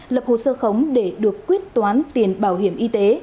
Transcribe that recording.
lập hồ sơ khống để được quyết toán tiền bảo hiểm y tế